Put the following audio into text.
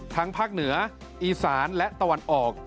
ภาคเหนืออีสานและตะวันออก